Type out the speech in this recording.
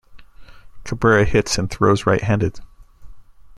Cabrera hits and throws right-handed.